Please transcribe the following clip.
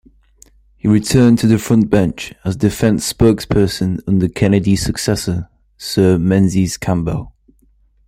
He returned to the Frontbench as Defence spokesperson under Kennedy's successor, Sir Menzies Campbell.